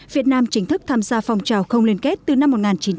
việt nam chính thức tham gia phong trào không liên kết từ năm một nghìn chín trăm bảy mươi